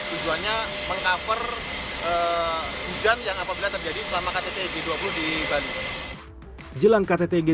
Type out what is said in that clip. tujuannya meng cover hujan yang apabila terjadi selama ktt g dua puluh di bandung